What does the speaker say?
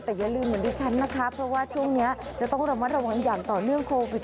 เพราะว่าช่วงนี้จะต้องระมัดระวังอย่างต่อเรื่องโควิท๑๙